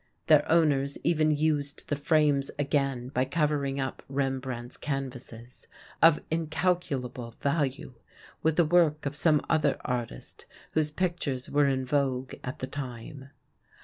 Their owners even used the frames again by covering up Rembrandt's canvases, of incalculable value, with the work of some other artist whose pictures were in vogue at the time.